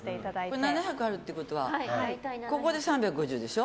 これ７００あるってことはここで３５０でしょ。